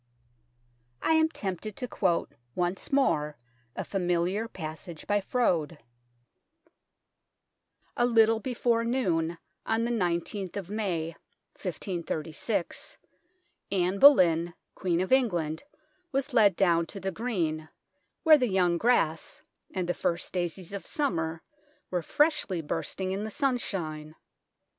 I am tempted to quote once more a familiar passage by Froude : A little before noon on the igth of May Anne Boleyn, Queen of England, was led down to the green, where the young grass and the first daisies of summer were freshly bursting in the sun shine.